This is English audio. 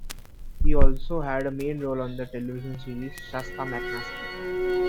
He also had a main role on the television series "Shasta McNasty".